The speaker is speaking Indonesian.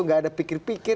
tidak ada pikir pikir